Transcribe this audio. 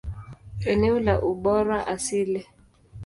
Eneo la ubora asili.